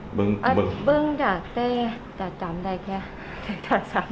คือลูกเห็นเป็นข้าวแหละน่ารัก